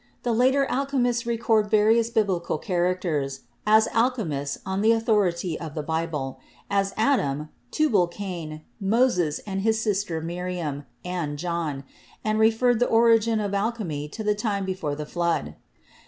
The later alchemists recorded various Biblical characters as alchemists on the authority of the Bible, as Adam, Tubal Cain, Moses and his sister Miriam, and John; and referred the origin of alchemy to the time before the flood.